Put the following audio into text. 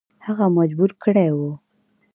هغه مجبور کړی وو.